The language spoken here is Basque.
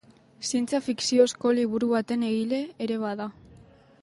Zientzia fikziozko liburu baten egile ere bada.